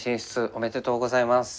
ありがとうございます。